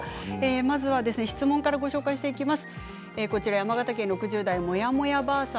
まず質問からご紹介していきます。